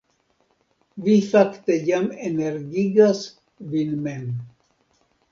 Vi fakte jam energigas vin mem